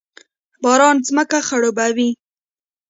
باران ځمکه خړوبوي